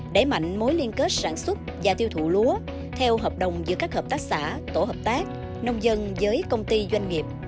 đẩy mạnh mối liên kết sản xuất và tiêu thụ lúa theo hợp đồng giữa các hợp tác xã tổ hợp tác nông dân với công ty doanh nghiệp